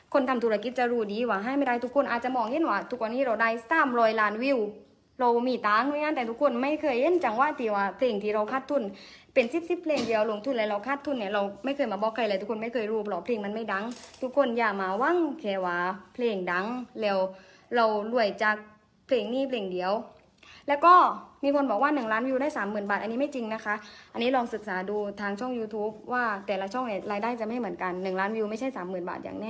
คนทำธุรกิจจะรู้ดีหว่าให้ไม่ได้ทุกคนอาจจะมองเห้นว่าทุกวันนี้เราได้สามร้อยล้านวิวเรามีตังค์ด้วยงั้นแต่ทุกคนไม่เคยเห้นจังว่าที่ว่าเพลงที่เราคาดทุนเป็นสิบสิบเพลงเดียวหลวงทุนแล้วเราคาดทุนเนี่ยเราไม่เคยมาบอกใครเลยทุกคนไม่เคยรู้หรอกเพลงมันไม่ดังทุกคนอย่ามาว่างแขวาเพลงดังแล้วเรารวยจากเพลงนี้เพ